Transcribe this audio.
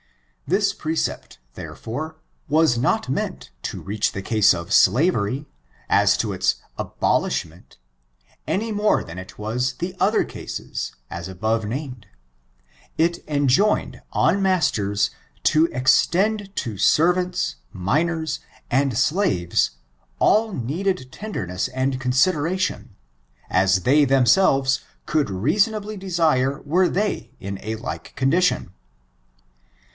This pre cept, therefore, was not meant to reach the case of slavery, as to its abolishment^ any more than it was the other cases, as above named. It enjoined on masters to extend to servants, minors, and slaves all needed tenderness and consideration, as they themselves could reasonably desire were they in a like condition.